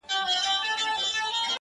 د رقیب زړه به کباب سي له حسده لمبه کیږي،